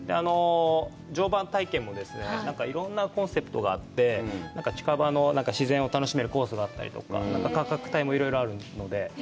乗馬体験もいろんなコンセプトがあって、近場の自然を楽しめるコースがあったり、価格帯もいろいろあるので。